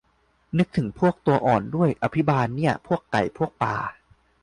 นึกถึงพวกตัวอ่อนด้วย อภิบาลเนี่ย พวกไก่ พวกปลา